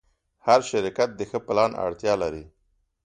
هر شرکت د ښه پلان اړتیا لري.